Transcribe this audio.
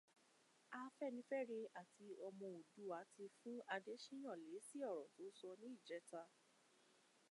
Afẹ́nifẹ́re àti Ọmọ Oòduà ti fún Adesina lésì ọ̀rọ̀ tó sọ níjẹta.